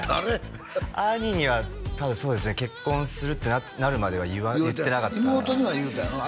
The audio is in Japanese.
兄には多分そうですね結婚するってなるまでは言ってなかったから妹には言うたんやろ？